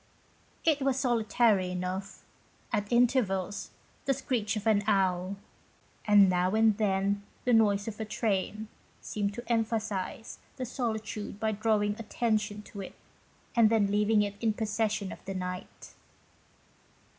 It was solitary enough. At intervals the screech of an owl, and now and then the noise of a train, seemed to emphasise the solitude by drawing attention to it and then leaving it in possession of the night.